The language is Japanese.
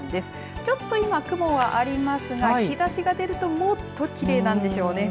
ちょっと今、雲がありますが日ざしが出るともっと奇麗なんでしょうね。